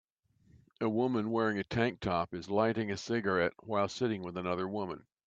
A woman wearing a tank top is lighting a cigarette while sitting with another woman.